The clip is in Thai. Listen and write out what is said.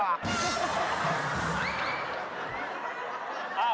อ้าว